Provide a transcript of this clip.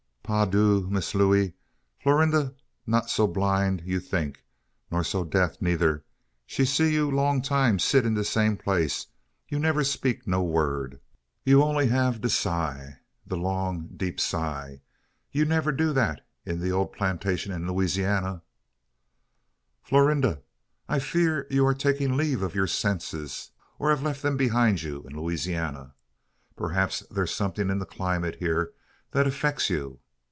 "Pa' dieu, Miss Looey, Florinda no so blind you tink; nor so deaf neider. She you see long time sit in de same place; you nebber 'peak no word you only heave de sigh de long deep sigh. You nebba do dat in de ole plantashun in Loozyanny." "Florinda! I fear you are taking leave of your senses, or have left them behind you in Louisiana? Perhaps there's something in the climate here that affects you.